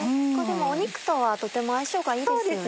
肉とはとても相性がいいですよね。